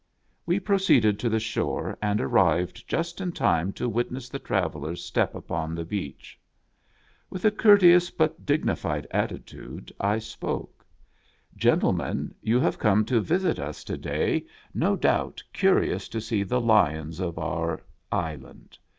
We proceeded to the shore, and arrived just in time to witness the travellers step upon the beach. With a courteous but dignified attitude, I spoke :" Gentlemen, you have come to visit us to day, no doubt curious to see the lions of our island.